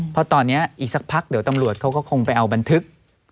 เพราะตอนนี้อีกสักพักเดี๋ยวตำรวจเขาก็คงไปเอาบันทึก